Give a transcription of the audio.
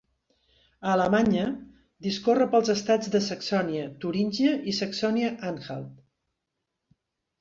A Alemanya, discorre pels estats de Saxònia, Turíngia i Saxònia-Anhalt.